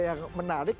banyak yang menarik